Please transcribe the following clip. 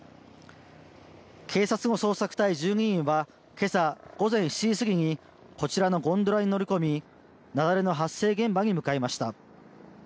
警察の捜索隊１２人はけさ午前７時すぎにこちらのゴンドラに乗り込み雪崩の発生現場に向かいました。